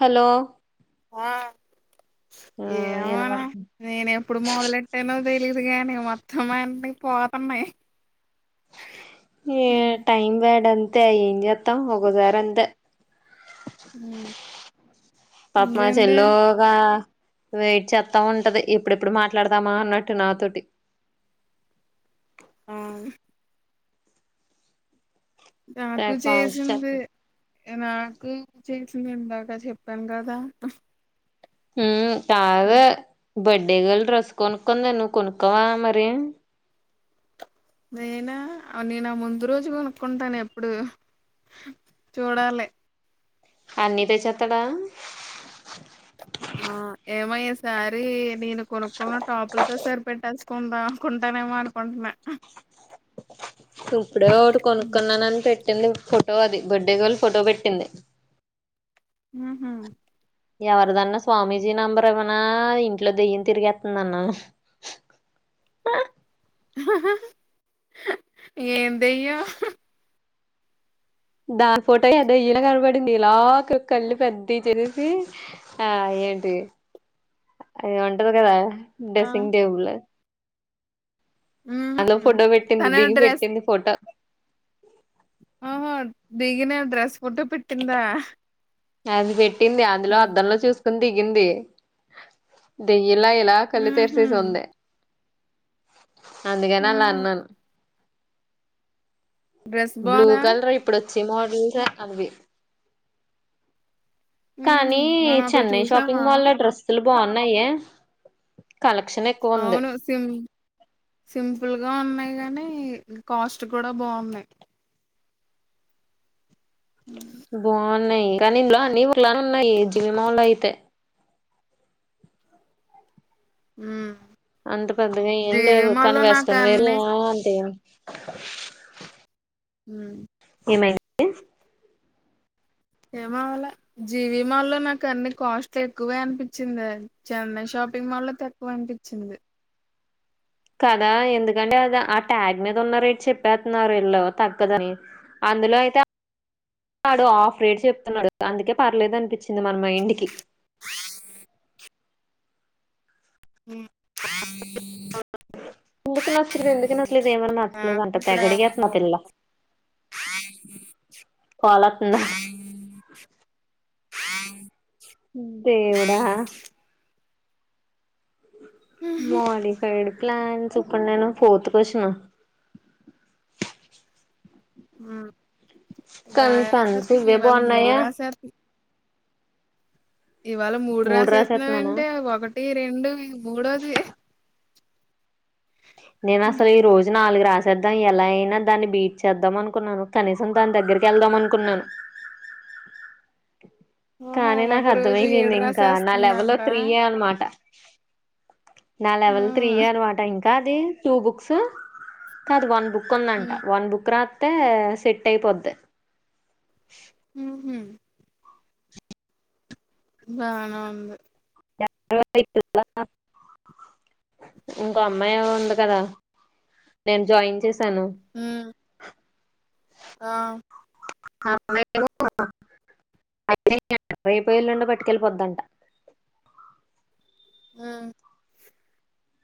Hello. ఆ ఆ ఏమోనే ఇనపడుతుంది నేనేప్పుడు మొదలెట్టానో తెలి తెలీదు గాని మొత్తం అన్నీ పోతన్నాయి. ఏ టైమ్ బ్యాడ్ అంత అంతే ఏం చేత్తం ఒకోసారి అంతే పాపమ్ మా ఇంకేంటి చెల్లోగా వెయిట్ చెత్త ఉంటది. ఇప్పుడుప్పుడు మాట్లాడతామా అన్నట్టు నాతోటి. అవును నాకు చేసింది. నాకు చేసింది. ఇందాక చెప్పాను కదా. హమ్మ్ తాగు బర్డే గల్ డ్రెస్ కొనుక్కంది నువు కొనుక్కోవా మరి నేనా ఆ నేను ఆ ముందు రోజు కొనుక్కుంటాను ఎప్పుడు చూడాలే అన్ని తెచ్చేత్తడ ఆ ఏమయ్య సారి నేను కొనుక్కొన్న టాపులతో సరిపేట్టేస్త కుంటా కుంటానేమో అనుకుంటున్నా ఇప్పుడే ఒకటి ఉ కొనుక్కున్నానని పెట్ కిందటి ఫోటో అది బర్డే గర్ల్ ఫోటో పెట్టింది. ఉహ్ హూ ఎవరిదన్నా స్వామీజీ నంబర్ ఇవ్వనా ఇంట్లో దెయ్యం తిరిగేత్తందన్నవు ఎం దెయ్యం దా ఫోటోయే దెయ్యంలా కనబడింది ఇలాగా కళ్ళు పెద్దయి చేసేసి ఆ ఏంటి ఏమో అంటారు కదా ఆ డెస్సింగ్ టేబుల అందులొ ఉహు ఫోటో పెట్టింది తన దిగి డ్రెస్ పెట్టింది ఫోటో అహా దిగిన డ్రెస్ ఫోటో పెట్టిందా అది పె ట్టింది అందులో అద్దంలో చూస్ కునిదిగింది దే ఇలా ఇలా కళ్ళు ఉహు తెరిసేసి ఉంది అందుకనె అలా ఉహు అన్నాను డ్రెస్ బ్లూ బాగుందా కలరే ఇప్పుడు వ చ్చి మోడల్ [unintelligible] అంది ఉహు కానీ మనం అప్పుడు చెన్నై చూసామా షాపింగ్ మాల్లో డ్రెస్సులు బాగున్నాయా అవును సిం సింపుల్గా ఉన్నాయి కాని కాస్ట్ కూడా బావున్నాయి [inaudible] బావున్నాయి కానీ ఇందులో అన్ని ఒకలనే ఉన్నాయి జివి మాల్లో అయితే ఉ అంత పెద్దగా ఏం లేవు కానీ నాకు వెస్ట్రన్వేర్ అన్ని బగుంటై [inaudible] [unintelligible] హు ఏమైంది ఏమవ్వలే జీవీ మాల్లో నాకు అన్ని కాస్ట్లు ఎక్కువే అనిపించిందే. చెన్నై షాపింగ్ మాల్లో తక్కువ అనిపించింది. కదా ఎందుకంటే అది ఆ ట్యాగ్ మీద ఉన్న రేట్ చెప్పెత్తున్నారు. వీళ్ళు తగ్గదని అందులో అయితే ఆడు ఆఫ్ రేట్ చెప్తున్నాడు. అందుకే పర్లేదు అనిపించింది. మన మైండ్ కి ఉ [inaudible] ఎందుకు నచ్చలేదు ఎందుకు నచ్చలేదు ఏమో నాకు నచ్చలేదంటా ఇప్పుడు తెగ ఎవరు అడిగేస్తుంది ఆ పిల్ల ఈ కాల్ [inaudible] వత్తుందా [unintelligible] [unintelligible] దేవుడా.. ఉహు మాలి సైడ్ ప్లాన్స్ ఇప్పుడు నేను ఫోర్త్ కొషను. బాగా కన్సన్స్ రాసారు మీ ఇవే వాళ్ళు మూడు బాగున్నాయా రాసారు. ఇవాళ మూడు రాస్తున్నవేంటి ఒకటి, రెండు ఇది మూడోది. నేను అసల్ ఈ రోజు నాలుగు రాస్ చేద్దాం ఇయల అయినా దాన్ని బీట్ చేద్దాం అనుకున్నాను. కనీసం దాన్ దగ్గర్కి ఎళ్దాం అనుకున్నాను. ఓహో కానీ ఒక నాకు రోజు ఏడు అర్థమైంది ఇంకా నా లెవెల్ రాసేస్తుందంట త్రీయే అన్నమాట. నా లెవెల్ త్రీయే ఆ అన్నమాట ఇంక్ ది టూ బుక్స్ కాదు వన్ బుక్ బుక్కుందంట వన్ బుక్ రాత్ తా సెట్ అయిపొద్ది. హ్ మ్ బానే ఉంది. ఇంకో అమ్మాఏమో ఉంది కదా నేను జాయిన్ చేస్ తను ఉమ్ ఆ రేపో, ఎల్లుండో పట్టుకెళ్ళిపోద్దంట. ఆ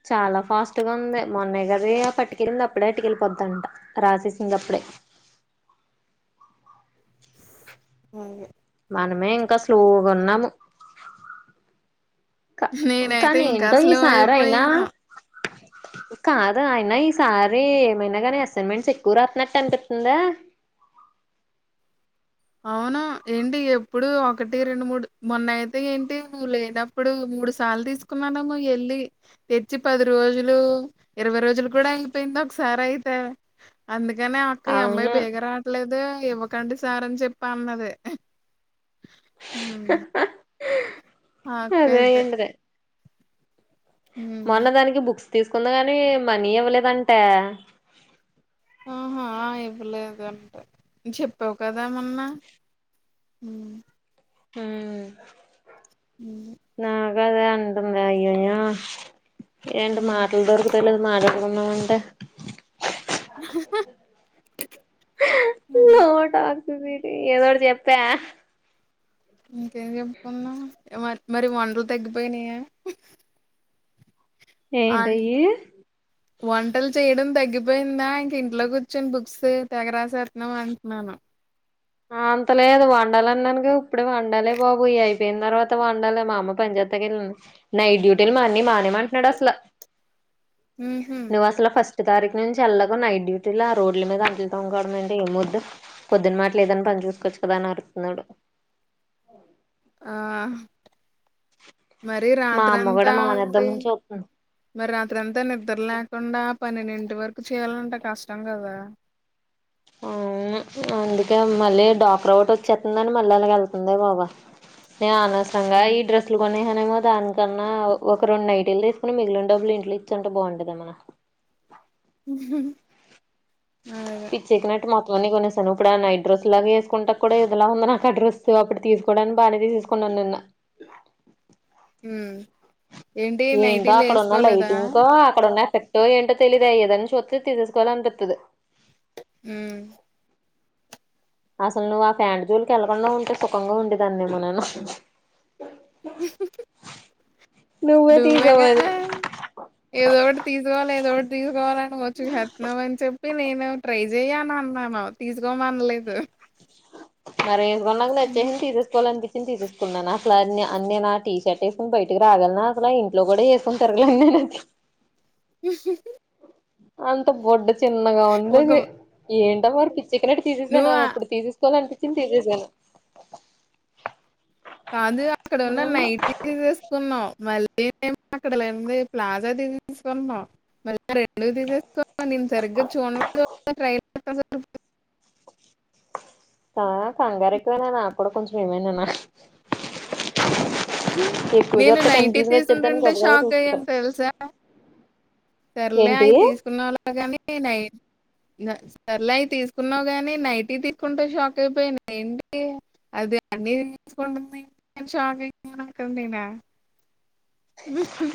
చాలా ఫాస్ట్గా ఉంది. మొన్నగదే పట్టుకెళ్ళింది. అప్పుడే అటుకెళ్ళిపోద్దంట రాసేసిందప్పుడే [inaudible] మనమే ఇంకా స్లోగున్నాము. నేనైతే ఇంకా అయినా అసలువుయిపోయాను. కాదు అయినా ఈసారి ఏమైనా కానీ అసైన్మెంట్స్ ఎక్కురాతున్నట్టు అనిపితుందా? అవును ఏంటి ఎప్పుడు ఒకటి, రెండు, మూడు మొన్న అయితే ఏంటి నువ్ లేనప్పుడు మూడు సార్లు తీసుకున్నానేమో ఎల్లీ తెచ్చి పది రోజులు ఇరవై రోజులు కూడా అయిపోయింది ఒకసారి అయితే అందుక్ కనే అక్క ఈ అమ్మాయి అవును బేగ రావట్లేదే ఇవ్వకండి సార్ అని చెప్పి పన్నది. హ్ ఏ అదే అయ్యిఉంటది. ఉమ్. మొన్నదానికి బుక్స్ తీసుకుంది గాని మనీ ఇవ్వలేదంటా.. ఆహా ఇవ్వలేదుంటే చెప్పావు కదా మన్న హ అ కాద అంటందయి అయ్యియ్యో ఏండు ఉమ్, మాటలు దొరుకు తెలుగు మాటాడకుండా ఉంటే హి హి హి హుమ్మ్ నువ్వేటి ఏదోటి చెప్త ఆహ్ ఇంకేం చెప్పుకుందాం మరి మరి వంటలు తగ్గిపోయినాయా అన్ ఏంటయ్యి వంటలు చేయడం తగ్గిపో పోయిందా ఇంక ఇంట్లో కూర్చొని బుక్స్ తెగరాసేస్తున్నావ్ అంటున్నాను ఆ అంతలేదు వండాలన్నన్నుగా ఇప్పుడే వండాలే బాబు ఇ అయిపోయిన తర్వాత వండాలి మా అమ్మ పంచజాయతకి వెళ్ళింది నైట్ డ్యూటీలు మా అన్నయ్య మానేయమంటున్నాడు అసల హుమ్మ్ హుమ్మ్ ఒక తారీక్ నుంచి నుంచి ఎల్లగ నైట్ డ్యూటీలో ఆ రోడ్ల మీద అంట్లు తోముకోవడం ఏంటి ఏం వద్దు పొద్దున్న మాటి ఏదైనా పని చూసుకోవచ్చు కదా అని అరుత్తు న్నాడు ఆహ్ మరి మా రాత్రి అమ్మ అంత కూడా ఉంటి మానేద్దామని చూత్తుంది మరి రాత్రి ఎంతా నిద్ర లేకుండా పన్నెండింటి వరకు చేయ్యాలంటే కష్టం కదా ఆ అవును అందుకే మళ్ళీ డాక్టర్ ఒకటి వచ్చేస్తుందని మళ్ళీ అలగే వెళ్తుందే బాబా ఆ అనవసరంగా ఈ డ్రెస్ లు కొని మరేమో దానికన్నా ఒక రెండు నైటీలు తీసుకుని మిగిలిన డబ్బులు ఇంట్లో ఇచ్చి ఉంటే బాగుందేమోనే హు హు హు ఆ అదే బట్టలన్నీ కొనేసాను ఇప్పుడు ఆ నైట్ డ్రెస్ లాగా వేసుకొనేటప్పుడు ఒకలా ఉంది నాకు ఆ డ్రెస్ అప్పుడు తీసుకోవడానికి బాగానే తీసేసుకున్నాను నిన్న హుమ్మ్ ఏంటో అక్కడున్న లైటింగ్ కా అక్కడున్న ఎఫెక్ట్ ఏంటో తెలీదు అయ్యేదైనా చూత్తే తేసుకోవాలి అనిపిత్తది హుమ్మ్ అసలు నువ్వు ఆ ఫ్యాంటు జోలకి వెళ్ళకుండా ఉంటే సుఖంగా ఉండేదాన్ని ఏమో నేను ఉహు ఉహు నువ్వే కదా ఏదో ఒకటి తీసుకోవాలి ఏదో ఒకటి తీసుకోవాలనికొంచం హెల్ప్ చేద్దాం అని చెప్పి నేను ట్రై చెయ్యి అని అన్నాను తీసుకోమనలేదు మరేఏం పొలం లో వచ్చేసింది తీసేస్తం అని చెప్పి చూసే తీసుకున్నాను అసలు నేను ఆ ఆ నేను టీ షర్ట్ వేసుకుని బయటకి రాగలన అసలు ఇంట్లో కూడా వేసుకుని తిరగలేను ఉహు హు హు హు అంత బొడ్డు చిన్నగా ఒక ఉండింది ఏంటి శల్వార్ పీస్ చికెనేట్ లో నువ్వు తీసేసాను ఆ- ఇప్పుడు తీసే సుకోవలనిపించింది స్కిన్ తీసేసాను కాదు అక్కడ ఉన్న నైటీలు వేసుకున్నావ్ మళ్ళీ దేమో అక్కడ లేని ప్లాజా తీసేసుకునవ్ మళ్ రెండు తీసేసుకో నేను సరిగ్గా చూడనుగుడ ట్రై ఆ కంగార ఎక్కువైనా నాకు కూడా కొంచెం ఏమైనానా ఎక్కువ నేను చూస్తే నైటీ కన్ఫ్యూజన్ వచ్చేద్దని తీసింటెంటే గబగబా షాక్ చూసుకుంటాను అయ్యాను తెలుసా సర్లే ఏంటి అవి తీసుకున్న వాళ్ళగాని నై సర్లే అవి తీసుకున్నావు గాని నైట్ తీసుకుంటే షాక్ అయిపోయింది. ఏంటి అది అన్ని తీసుకుంట షాక్ అయి నాకండి ననా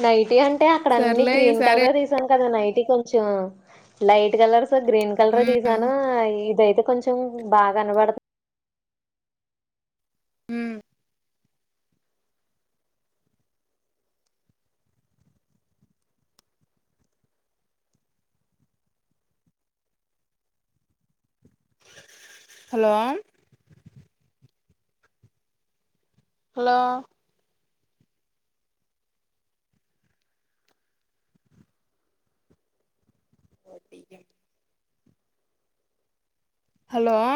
నైటి అంటే అక్కడ అన్ని గ్రీన్ ఈసారి కలర్రే తీసాను కదా నైట్ కొంచెం లైట్ కలర్ గ్రీన్ కలర్ తీసాను ఇదయితే కొంచెం చం బాగా కనబడత్ హలో హలో ఓటి హలో